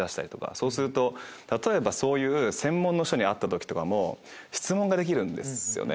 そうすると例えばそういう専門の人に会った時とかも質問ができるんですよね